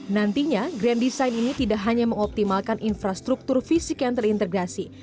nantinya grand design ini tidak hanya mengoptimalkan infrastruktur fisik yang terintegrasi